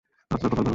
আপনার কপাল ভালো।